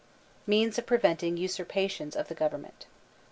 Means of Preventing Usurpations of the Gov ernment.